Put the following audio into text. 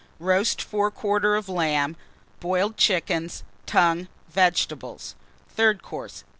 Roast Fore quarter of Lamb. Boiled Chickens. Tongue. Vegetables. THIRD COURSE.